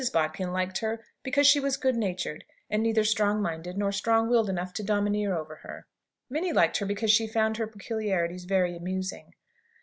Bodkin liked her because she was good natured, and neither strong minded nor strong willed enough to domineer over her. Minnie liked her because she found her peculiarities very amusing.